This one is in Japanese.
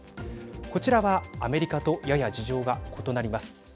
こちらはアメリカとやや事情が異なります。